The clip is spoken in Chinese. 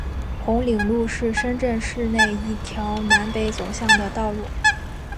红岭路是深圳市内一条南北走向的道路。